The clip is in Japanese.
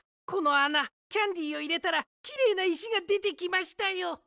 このあなキャンディーをいれたらきれいないしがでてきましたよ。